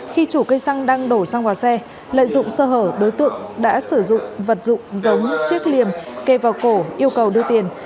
khi chủ cây xăng đang đổ xăng vào xe lợi dụng sơ hở đối tượng đã sử dụng vật dụng giống chiếc liềm kê vào cổ yêu cầu đưa tiền